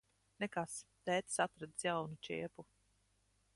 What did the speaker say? Nekas. Tētis atradis jaunu čiepu.